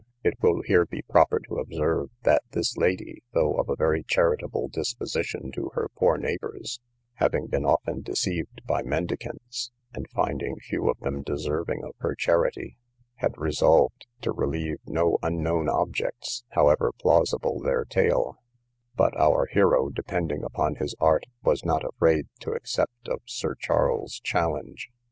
It will here be proper to observe, that this lady, though of a very charitable disposition to her poor neighbours, having been often deceived by mendicants, and finding few of them deserving of her charity, had resolved to relieve no unknown objects, however plausible their tale; but our hero, depending upon his art, was not afraid to accept of Sir Charles's challenge.